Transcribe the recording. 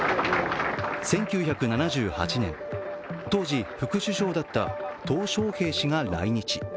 １９７８年、当時、副首相だったトウ小平氏が来日。